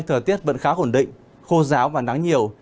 thời tiết vẫn khá khổn định khô ráo và nắng nhiều